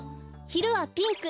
ひるはピンク。